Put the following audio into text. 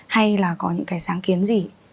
hay là có những cái sáng kiến gì